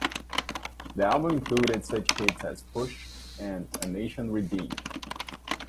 The album included such hits as "Push" and "A Nation Redeemed".